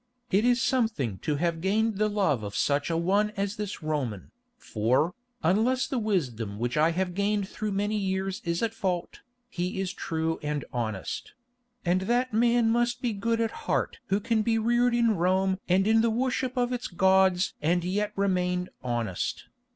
It is something to have gained the love of such a one as this Roman, for, unless the wisdom which I have gained through many years is at fault, he is true and honest; and that man must be good at heart who can be reared in Rome and in the worship of its gods and yet remain honest.